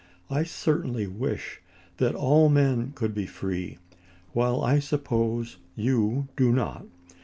I certainly wish that all men could be free, while I suppose you do not.